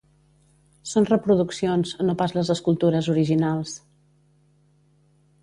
Són reproduccions, no pas les escultures originals.